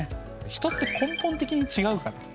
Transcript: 人って根本的に違うから。